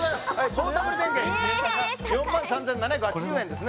ポータブル電源４万３７８０円ですね